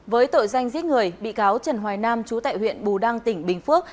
với tội danh giết người bị cáo trần hoài nam chú tại huyện bù đăng tỉnh bình phước